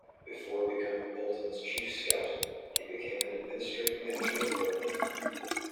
Before becoming Bolton's chief scout, he became an administrative manager at Burnden.